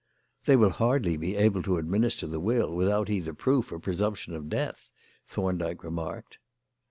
"They will hardly be able to administer the will without either proof or presumption of death," Thorndyke remarked.